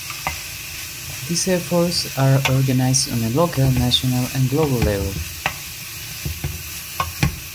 These efforts are organized on a local, national, and global level.